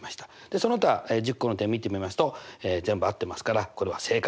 その他１０個の点を見てみますと全部合ってますからこれは正解です。